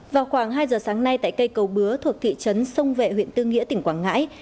vào khoảng hai giờ sáng nay tại cây cầu bứa thuộc thị trấn sông vệ huyện tư nghĩa tỉnh quảng ngãi